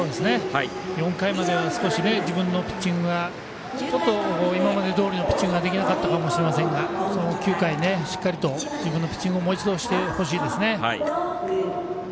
４回までは少し自分のピッチングがちょっと今までどおりのピッチングができなかったかもしれませんが９回、しっかりと自分のピッチングをもう一度してほしいですね。